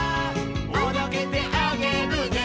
「おどけてあげるね」